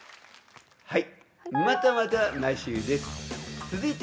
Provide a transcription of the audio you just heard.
はい。